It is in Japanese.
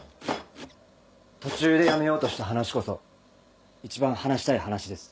途中でやめようとした話こそ一番話したい話です。